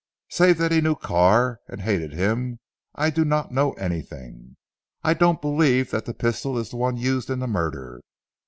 Save that he knew Carr and hated him I do not know anything. I don't believe that the pistol is the one used in the murder.